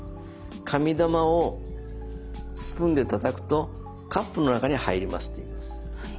「紙玉をスプーンでたたくとカップの中に入ります」と言います。